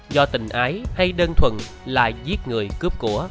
do tình ái hay đơn thuần là giết người cướp của